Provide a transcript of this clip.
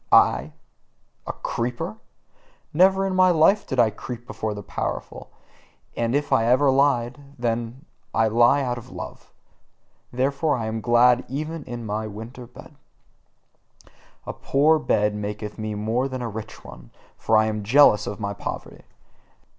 I, a creeper? Never in my life did I creep before the powerful; and if ever I lied, then did I lie out of love. Therefore am I glad even in my winter bed. A poor bed warmeth me more than a rich one, for I am jealous of my poverty.